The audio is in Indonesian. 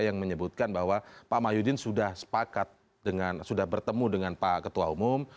yang menyebutkan bahwa pak mahyudin sudah sepakat dengan sudah bertemu dengan pak ketua umum